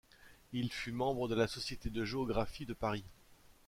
Il fut membre de la Société de géographie de Paris.